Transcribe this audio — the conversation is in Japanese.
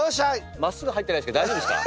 まっすぐ入ってないですけど大丈夫ですか？